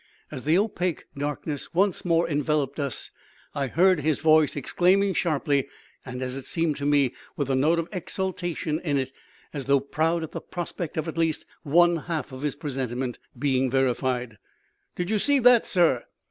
As the opaque darkness once more enveloped us I heard his voice exclaiming sharply, and, as it seemed to me, with a note of exultation in it, as though proud at the prospect of at least one half of his presentiment being verified "Did you see that, sir?"